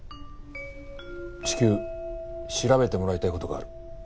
至急調べてもらいたい事がある。